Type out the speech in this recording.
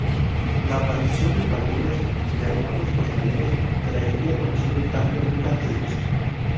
La aparición de cuadrillas de hermanos costaleros traería consigo un cambio nunca antes visto.